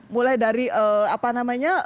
mulai dari apa namanya